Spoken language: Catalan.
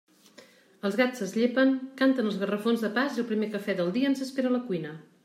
Els gats es llepen, canten els gafarrons de pas i el primer café del dia ens espera a la cuina.